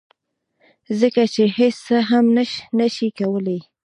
ځکه چې هیڅ څه هم نشي کولی